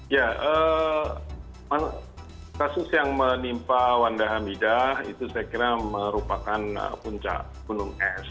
ya kasus yang menimpa wanda hamidah itu saya kira merupakan puncak gunung es